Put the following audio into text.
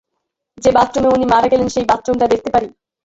যে-বাথরুমে উনি মারা গেলেন সেই বাথরুমটা দেখতে পারি?